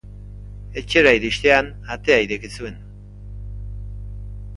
Etxera iristean, atea ireki zuen.